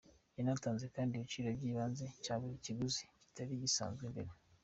Yanatanze kandi igiciro cy’ibanze cya buri kiguzi, kitari cyasabwe mbere.